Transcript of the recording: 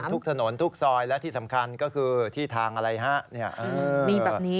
ทุกสนนทุกซอยแล้วที่สำคัญก็คือที่ทางอะไรฮะ